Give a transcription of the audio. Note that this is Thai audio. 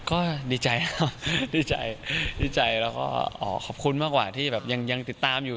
ก็ดีใจครับดีใจดีใจแล้วก็ขอบคุณมากกว่าที่แบบยังติดตามอยู่